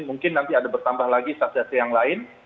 mungkin nanti ada bertambah lagi sasaran yang lain